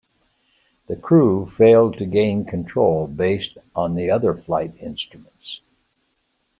The crew failed to gain control based on the other flight instruments.